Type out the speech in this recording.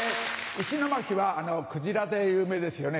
石巻はクジラで有名ですよね。